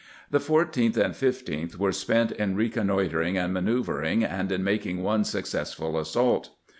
The 14th and 15th were spent in reconnoitering and manoeuver ing and in making one successful assault.